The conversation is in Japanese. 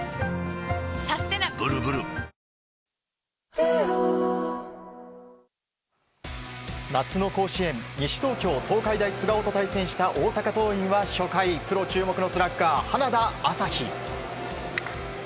一人ひとりに夏の甲子園西東京、東海大菅生と対戦した大阪桐蔭は初回プロ注目のスラッガー花田旭。